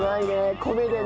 米でね